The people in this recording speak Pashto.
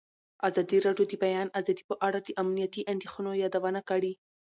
ازادي راډیو د د بیان آزادي په اړه د امنیتي اندېښنو یادونه کړې.